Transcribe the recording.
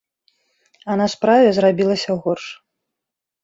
А на справе зрабілася горш.